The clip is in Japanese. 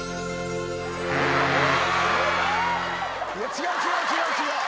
違う違う違う違う。